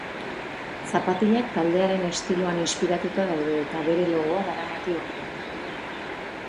Zapatilak taldearen estiloan inspiratuta daude eta bere logoa daramate orpoan.